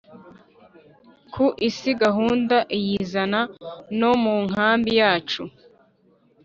ku isi gahunda iyizana no munkambi yacu.